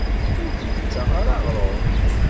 Ur d-yettaɣ ara aɣṛum.